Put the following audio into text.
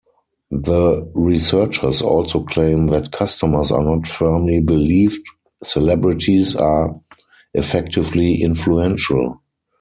The researchers also claim that customers are not firmly believed celebrities are effectively influential.